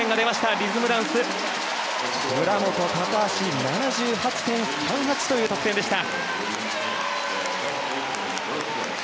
リズムダンス、村元、高橋は７８．３８という得点でした。